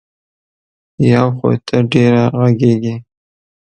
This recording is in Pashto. یو خو ته ډېره غږېږې.